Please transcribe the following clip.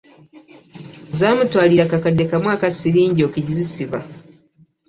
Zamutwalira kakadde kamu aka sirinji okizisiba .